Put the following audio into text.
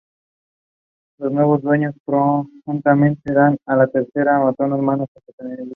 Los nuevos dueños prontamente le dan a "La Tercera" un tono menos sensacionalista.